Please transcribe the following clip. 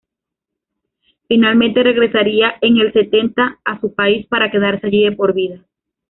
Finalmente regresaría en el setenta a su país para quedarse allí de por vida.